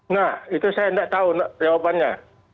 nah itu saya tidak tahu jawabannya